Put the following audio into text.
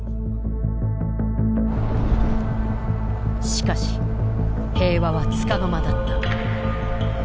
しかし平和はつかの間だった。